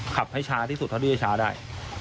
ขับให้ช้าที่สุดเขาดูให้ช้าได้